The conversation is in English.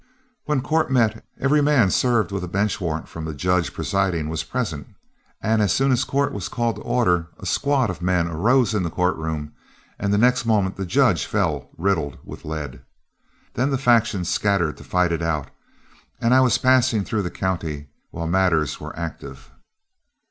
"When court met, every man served with a bench warrant from the judge presiding was present, and as soon as court was called to order, a squad of men arose in the court room, and the next moment the judge fell riddled with lead. Then the factions scattered to fight it out, and I was passing through the county while matters were active.